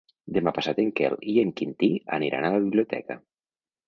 Demà passat en Quel i en Quintí aniran a la biblioteca.